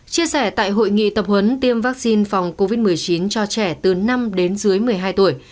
chia sẻ tại hội nghị tập huấn tiêm vaccine phòng covid một mươi chín cho trẻ từ năm đến dưới một mươi hai tuổi